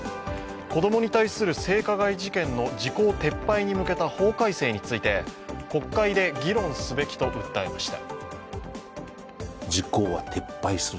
子供に対する性加害事件の時効撤廃に向けた法改正について国会で議論すべきと訴えました。